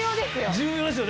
重要ですよね！